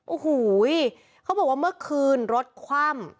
โอ้โหเขาบอกว่าเมื่อคืนรถคว่ำ